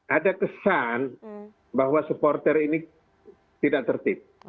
ada kesan bahwa supporter ini tidak tertib